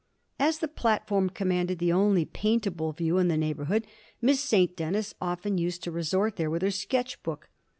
As the platform commanded the only paintable view in the neighbourhood, Miss St. Denis often used to resort there with her sketch book.